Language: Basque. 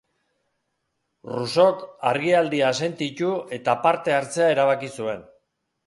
Rousseauk argialdia sentitu, eta parte hartzea erabaki zuen.